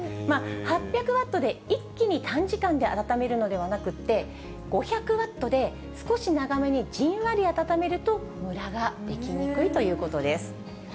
８００ワットで一気に短時間で温めるのではなくって、５００ワットで少し長めにじんわり温めると、むらが出来にくいということです。